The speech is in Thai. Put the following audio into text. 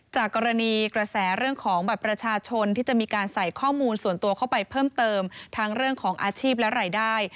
จากกรณีกระแสเรื่องของบัตรประชาชนที่จะมีการใส่ข้อมูลส่วนตัวเข้าไปเพิ่มเติมทั้งเรื่องของอาชีพและรายได้